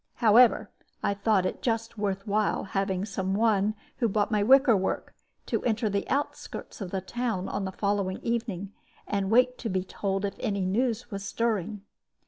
However, I thought it just worth while, having some one who bought my wicker work, to enter the outskirts of the town on the following evening, and wait to be told if any news was stirring.